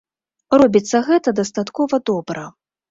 Робіцца гэта дастаткова добра.